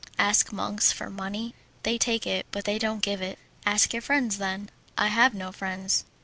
"Ask monks for money? They take it, but they don't give it." "Ask your friends, then." "I have no friends."